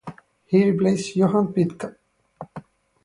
He replaced Johan Pitka.